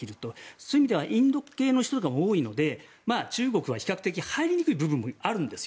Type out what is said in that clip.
そういう意味ではインド系の人のほうが多いので中国は比較的、入りにくい部分もあるんですよ。